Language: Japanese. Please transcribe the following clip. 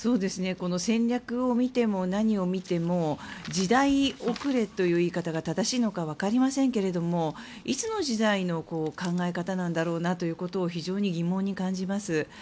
戦略を見ても何を見ても時代遅れという言い方が正しいのか分かりませんけどもいつの時代の考え方なんだろうなということを非常に疑問に感じます。